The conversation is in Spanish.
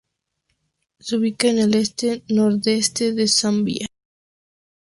Se ubica en el este-nordeste de Zambia.